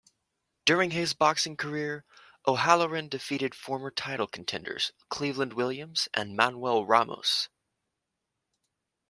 During his boxing career, O'Halloran defeated former title contenders Cleveland Williams and Manuel Ramos.